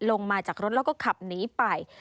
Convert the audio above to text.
ลงมาจากรถแล้วก็ขับหนีไป